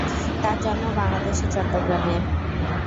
তাঁর জন্ম বাংলাদেশের চট্টগ্রামে।